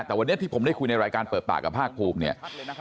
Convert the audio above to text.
แต่วันนี้ที่ผมได้คุยในรายการเปิดปากกับภาคภูมิเนี่ย